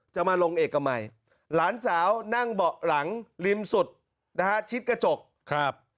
จะมาลงเอกมัยหลานสาวนั่งเบาะหลังริมสุดนะฮะชิดกระจกครับ